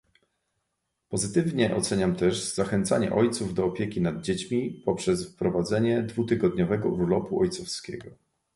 Pozytywnie oceniam też zachęcanie ojców do opieki nad dziećmi poprzez wprowadzenie dwutygodniowego urlopu ojcowskiego